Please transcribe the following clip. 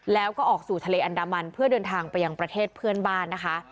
แล้วก็ออกสู่ทะเลอันดามันเพื่อเดินทางไปยังประเทศเพื่อนบ้านนะคะ